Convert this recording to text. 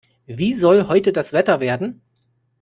Wie soll heute das Wetter werden?